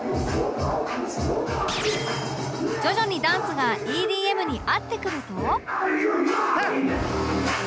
徐々にダンスが ＥＤＭ に合ってくると